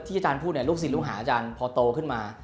ที่อาจารย์พูดเนี่ยลูกสินลูกหาอาจารย์พอโตขึ้นมา